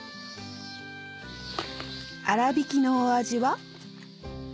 粗挽きのお味は？